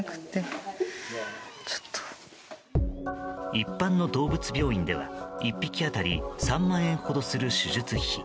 一般の動物病院では１匹当たり３万円程する手術費。